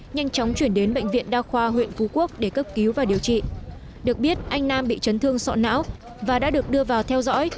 nhanh chóng chuyển đến bệnh viện đa khoa huyện phú quốc để cấp cứu và điều trị được biết anh nam bị chấn thương sọ não và đã được đưa vào theo dõi